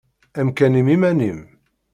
Amkan-im iman-im.